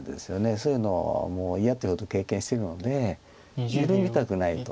そういうのをもう嫌ってほど経験してるので緩みたくないと。